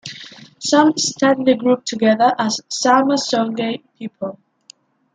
Some study the group together as Zarma-Songhai people.